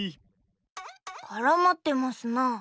からまってますな。